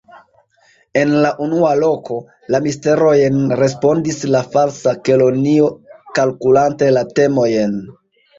"En la unua loko, la Misterojn," respondis la Falsa Kelonio kalkulante la temojn.